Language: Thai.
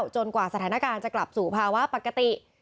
กว่าสถานการณ์จะกลับสู่ภาวะปกติ